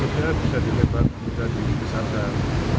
mungkin bisa di menteri pinsar panjaitan